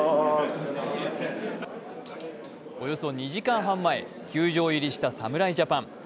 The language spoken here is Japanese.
およそ２時間半前、球場入りした侍ジャパン。